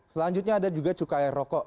selanjutnya ada juga cukai rokok